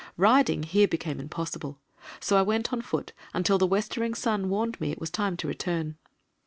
Riding here became impossible, so I went on foot until the westering sun warned me it was time to return.